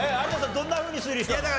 どんなふうに推理したの？